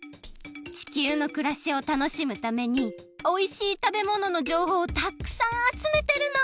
地球のくらしを楽しむためにおいしいたべもののじょうほうをたっくさんあつめてるの！